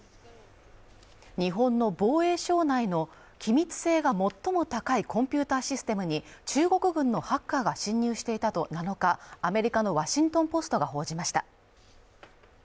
日本の防衛省内の機密性が最も高いコンピューターシステムに中国軍のハッカーが侵入していたと７日アメリカの「ワシントン・ポスト」が報じました